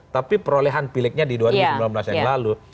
tapi perolehan pilihnya di dua ribu sembilan belas yang lalu